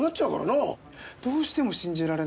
どうしても信じられないんですよ。